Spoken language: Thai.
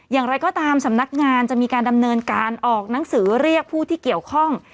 อย่างไรก็ตามสำนักงานจะมีการดำเนินการออกหนังสือเรียกผู้ที่เกี่ยวข้อง